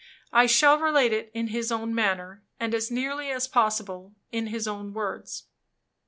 I shall relate it in his own manner, and, as nearly as possible, in his own words.